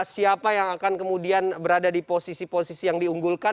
siapa yang akan kemudian berada di posisi posisi yang diunggulkan